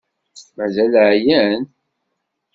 Mazal ɛyan?